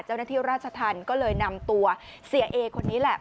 เจ้าหน้าที่ราชธรรมก็เลยนำตัวเสียเอคนนี้แหละ